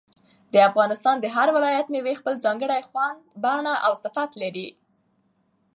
د افغانستان د هر ولایت مېوې خپل ځانګړی خوند، بڼه او صفت لري.